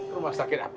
rumah sakit apa